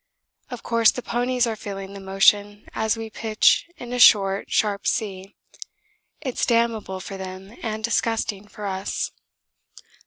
Of course, the ponies are feeling the motion as we pitch in a short, sharp sea it's damnable for them and disgusting for us.